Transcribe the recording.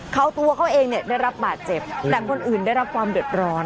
เขาตัวเขาเองเนี่ยได้รับบาดเจ็บแต่คนอื่นได้รับความเดือดร้อน